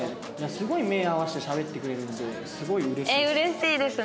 すごい目合わせてしゃべってくれるんですごいうれしいです。